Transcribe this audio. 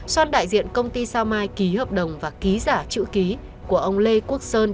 xoan đại diện công ty sao mai ký hợp đồng và ký giả chữ ký của ông lê quốc sơn